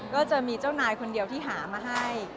ก็จะมีเจ้านายคนเดียวที่หามาให้